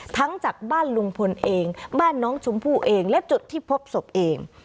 จากบ้านลุงพลเองบ้านน้องชมพู่เองและจุดที่พบศพเอง